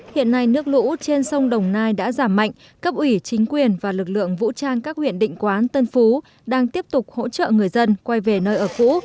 hiện nay nước lũ trên sông đồng nai đã giảm mạnh cấp ủy chính quyền và lực lượng vũ trang các huyện định quán tân phú đang tiếp tục hỗ trợ người dân quay về nơi ở phú